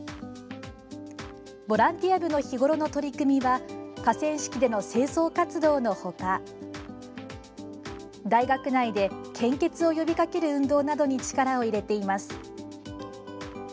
ボランティア部の日ごろの取り組みは河川敷での清掃活動の他大学内で献血を呼びかける運動などに力を入れています。